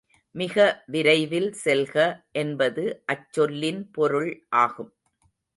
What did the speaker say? மிக விரைவில் செல்க என்பது அச்சொல்லின் பொருள் ஆகும்.